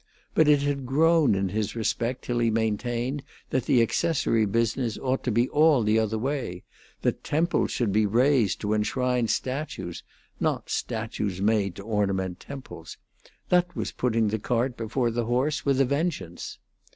But it had grown in his respect till he maintained that the accessory business ought to be all the other way: that temples should be raised to enshrine statues, not statues made to ornament temples; that was putting the cart before the horse with a vengeance.